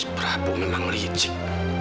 mas prabu memang licik